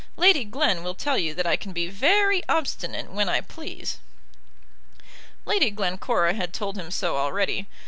[Illustration: "Lady Glen will tell you that I can be very obstinate when I please."] Lady Glencora had told him so already.